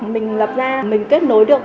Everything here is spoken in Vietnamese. mình lập ra mình kết nối được